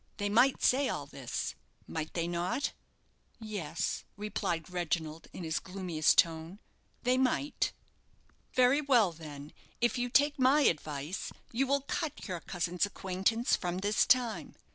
They might say all this, might they not?" "Yes," replied Reginald, in his gloomiest tone, "they might." "Very well, then, if you take my advice, you will cut your cousin's acquaintance from this time.